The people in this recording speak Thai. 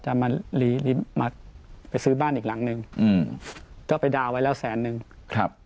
จะมาลีมาไปซื้อบ้านอีกหลังหนึ่งอืมก็ไปดาวน์ไว้แล้วแสนนึงครับ